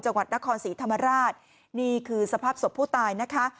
จังหวัดนครศรีธรรมราชนี่คือสภาพศพผู้ตายนะคะ